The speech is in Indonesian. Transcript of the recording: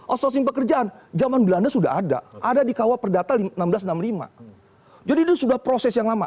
outsourcing pekerjaan zaman belanda sudah ada ada di kawal perdata enam belas enam puluh lima jadi sudah proses yang lama